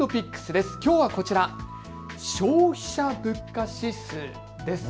きょうはこちら消費者物価指数です。